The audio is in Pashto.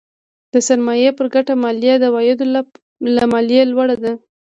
د سرمایې پر ګټه مالیه د عوایدو له مالیې لوړه ده.